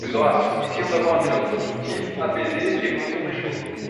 De grâce, essayons d’avoir un dialogue constructif, apaisé, et posons les choses.